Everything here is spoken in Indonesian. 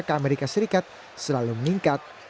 ke amerika serikat selalu meningkat